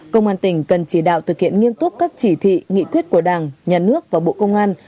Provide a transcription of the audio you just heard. công an tỉnh cần chỉ đạo thực hiện nghiêm túc các chỉ thị nghị quyết của đảng nhà nước và bộ công an